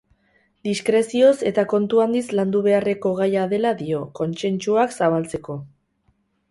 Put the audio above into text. Diskrezioz eta kontu handiz landu beharreko gaia dela dio, kontsentsuak zabaltzeko.